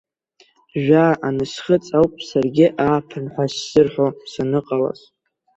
Жәаа ансхыҵ ауп саргьы ааԥын ҳәа сзырҳәо саныҟалаз.